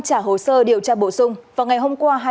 trả hồ sơ điều tra bổ sung vào ngày hôm qua